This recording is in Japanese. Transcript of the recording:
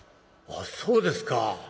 「あっそうですか。